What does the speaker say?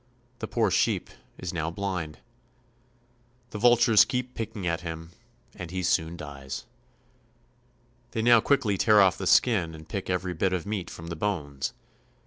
The poor sheep is now blind. The vultures keep picking at him, and he soon dies. They now quickly tear off the skin and pick every bit of meat from the bones.